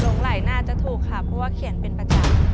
ไหล่น่าจะถูกค่ะเพราะว่าเขียนเป็นประจำ